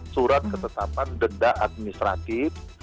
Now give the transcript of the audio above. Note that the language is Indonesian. surat ketetapan denda administratif